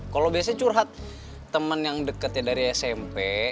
kalau biasanya curhat temen yang deket ya dari smp